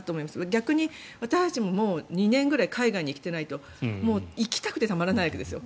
逆に私たちも２年くらい海外に行っていないと行きたくてたまらないわけですよ。